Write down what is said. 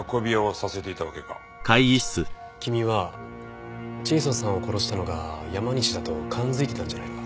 君はジェイソンさんを殺したのが山西だと勘づいてたんじゃないのか？